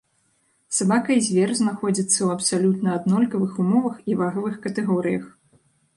Сабака і звер знаходзіцца ў абсалютна аднолькавых умовах і вагавых катэгорыях.